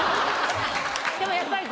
でもやっぱり。